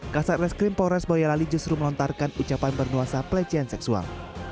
kaset reskrim mapores boyolali justru melontarkan ucapan bernuasa pelecehan seksual